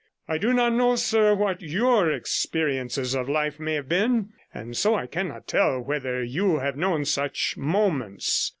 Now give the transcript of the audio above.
I do not know, sir, what your experiences of life may have been, and so I cannot tell whether you have known such 20 moments.